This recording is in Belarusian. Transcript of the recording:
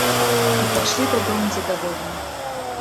І пайшлі дадому задаволеныя.